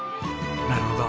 なるほど。